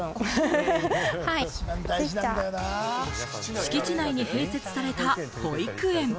敷地内に併設された保育園。